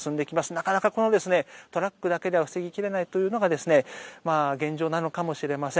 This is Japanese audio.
なかなか、トラックだけでは防ぎ切れないというのが現状なのかもしれません。